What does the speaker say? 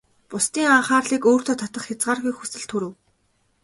Бусдын анхаарлыг өөртөө татах хязгааргүй хүсэл төрөв.